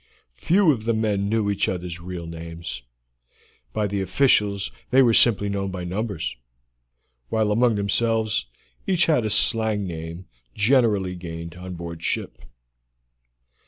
Few of the men knew each other's real names; by the officials they were simply known by numbers, while among themselves each had a slang name generally gained on board ship.